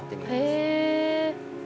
へえ。